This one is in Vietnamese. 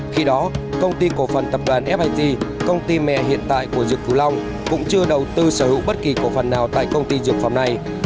khi đó công ty cổ phần tập đoàn fit công ty mẹ hiện tại của dược phú long cũng chưa đầu tư sở hữu bất kỳ cổ phần nào tại công ty dược phẩm này